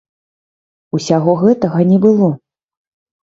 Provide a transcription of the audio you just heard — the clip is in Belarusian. Усяго гэтага не было!